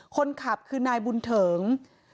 คนขับคือนายบุญเถิง